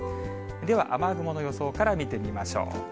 では雨雲の予想から見てみましょう。